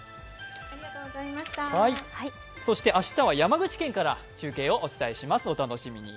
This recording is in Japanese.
そして明日は山口県から中継をお伝えします、お楽しみに。